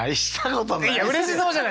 いやうれしそうじゃないですか！